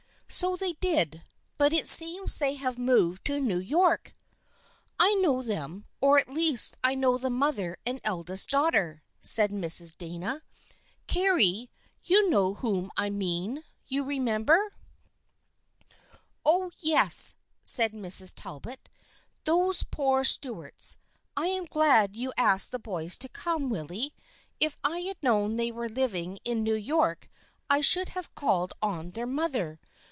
" So they did, but it seems they have moved to New York." " I know them, or at least I know the mother and eldest daughter," said Mrs. Dana. " Carry, you know whom I mean. You remember ?"" Oh, yes !" said Mrs. Talbot. " Those poor Stu arts ! I am glad you asked the boys to come, Willy. If I had known they were living in New York I should have called on their mother.